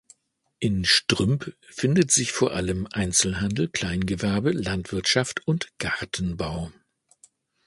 In Strümp findet sich vor allem Einzelhandel, Kleingewerbe, Landwirtschaft und Gartenbau.